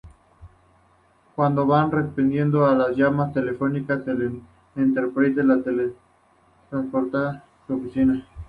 Cuando van respondiendo a las llamadas telefónicas el Enterprise los teletransporta a su oficina.